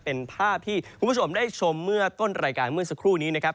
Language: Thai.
เป็นภาพที่คุณผู้ชมได้ชมเมื่อต้นรายการเมื่อสักครู่นี้นะครับ